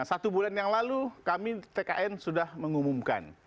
satu bulan yang lalu kami tkn sudah mengumumkan